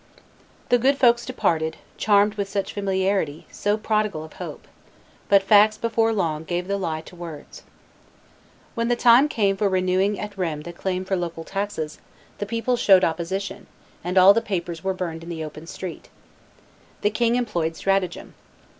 The good folks departed, charmed with such familiarity, so prodigal of hope; but facts before long gave the lie to words. "When the time came for renewing at Rheims the claim for local taxes, the people showed opposition, and all the papers were burned in the open street. The king employed stratagem.